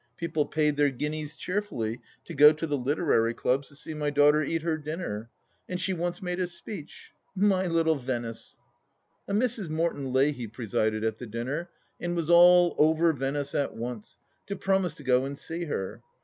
People paid their guineas cheerfully to go to literary clubs to see my daughter eat her dinner. And she once made a speech — my little Venice ! A Mrs. Morton Leahy presided at the dinner, and was all over Venice at once, to promise to go and see her.